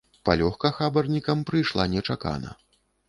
Палёгка хабарнікам прыйшла нечакана.